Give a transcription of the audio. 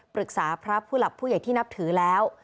ปรึกษาพระผู้หลักผู้ใหญ่ที่นับถือแล้ว